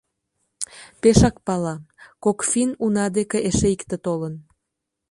Пешак пала: кок финн уна деке эше икте толын.